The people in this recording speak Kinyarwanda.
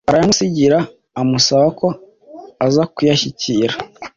arayamusigira amusaba ko azakuyanshyikira